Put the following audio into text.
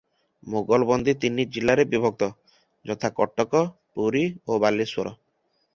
ମୋଗଲବନ୍ଦୀ ତିନି ଜିଲାରେ ବିଭକ୍ତ, ଯଥା:-କଟକ, ପୁରୀ ଓ ବାଲେଶ୍ୱର ।